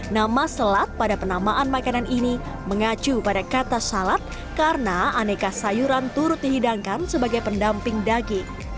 nama selat pada penamaan makanan ini mengacu pada kata salad karena aneka sayuran turut dihidangkan sebagai pendamping daging